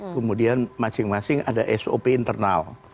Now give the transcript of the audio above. kemudian masing masing ada sop internal